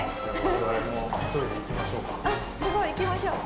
我々も急いで行きましょうか。